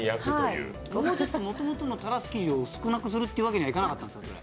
もともとのたらす生地を少なくするっていうわけにはいかなかったんですか？